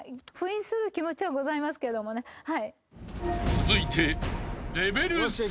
［続いて］